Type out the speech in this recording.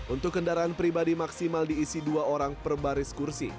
untuk kendaraan pribadi maksimal diisi dua orang per baris kursi